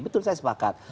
betul saya sepakat